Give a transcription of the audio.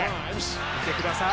見てください。